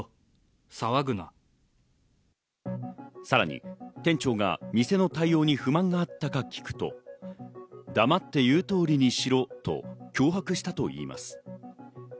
さらに店長が店の対応に不満があったか聞くと、黙って言う通りにしろと脅迫したといいます。